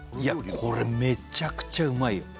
これめちゃくちゃうまいよ